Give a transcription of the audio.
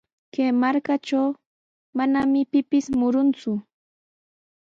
Kay markatraw manami pipis murunku.